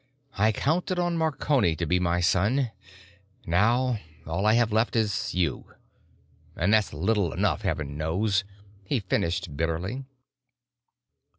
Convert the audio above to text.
I counted on Marconi to be my son; now all I have left is you. And that's little enough, heaven knows," he finished bitterly.